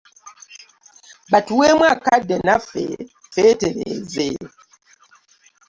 Batuweemu akadde naffe twetereeze.